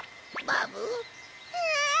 バブ？